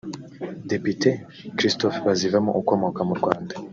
Depite Christophe Bazivamo ukomoka mu Rwanda